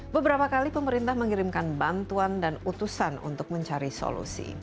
beberapa kali pemerintah mengirimkan bantuan dan utusan untuk mencari solusi